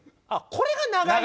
これが長い！